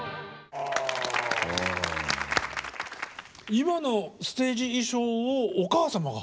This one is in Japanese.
今のステージ衣装をお母様が。